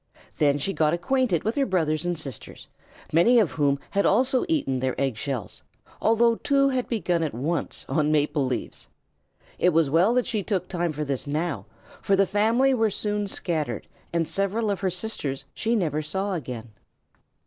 Then she got acquainted with her brothers and sisters, many of whom had also eaten their egg shells, although two had begun at once on maple leaves. It was well that she took time for this now, for the family were soon scattered and several of her sisters she never saw again.